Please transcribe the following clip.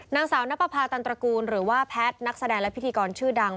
นางสาวนับประพาตันตระกูลหรือว่าแพทย์นักแสดงและพิธีกรชื่อดัง